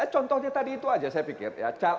contohnya tadi itu aja saya pikir ya